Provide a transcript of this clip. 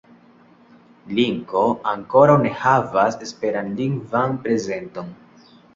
Linko ankoraŭ ne havas esperantlingvan prezenton.